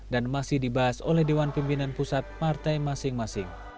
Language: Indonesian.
dan masih dibahas oleh dewan pimpinan pusat partai masing masing